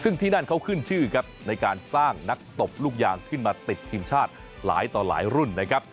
ซึ่งที่นั่นเขาขึ้นชื่อครับในการสร้างนักตบลูกยางขึ้นมาติดทีมชาติหลายต่อหลายรุ่นนะครับ